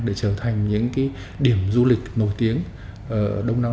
để trở thành những điểm du lịch nổi tiếng